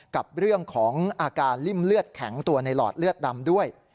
กับเรื่องของอาการริ่มเลือดแข็งตัวในหลอดเลือดดำด้วย